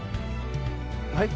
はい？